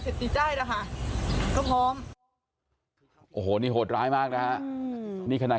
ติดใจนะคะก็พร้อมโอ้โหนี่โหดร้ายมากนะฮะนี่ขนาด